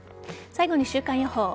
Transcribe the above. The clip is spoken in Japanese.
最後に週間予報。